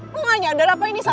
lo gak nyadar apa ini salah satu